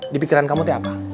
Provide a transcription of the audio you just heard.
di pikiran kamu tuh apa